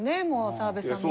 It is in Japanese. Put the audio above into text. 澤部さんも。